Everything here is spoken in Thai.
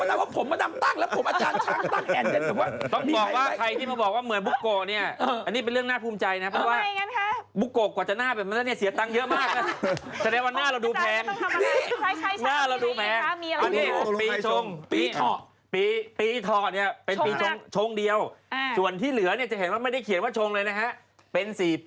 ฮะอาจจะมีเวลาจำกัดนิดหนึ่งนะฮะอาจจะมีเวลาจำกัดนิดหนึ่งนะฮะอาจจะมีเวลาจำกัดนิดหนึ่งนะฮะอาจจะมีเวลาจำกัดนิดหนึ่งนะฮะอาจจะมีเวลาจำกัดนิดหนึ่งนะฮะอาจจะมีเวลาจำกัดนิดหนึ่งนะฮะอาจจะมีเวลาจำกัดนิดหนึ่งนะฮะอาจจะมีเวลาจำกัดนิดหนึ่งนะฮะอ